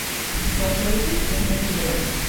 He graduated in engineering.